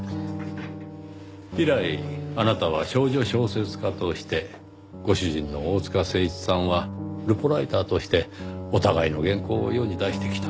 以来あなたは少女小説家としてご主人の大塚誠一さんはルポライターとしてお互いの原稿を世に出してきた。